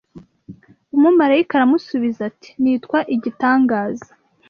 "Umumarayika aramusubiza ati:" Nitwa Igitangaza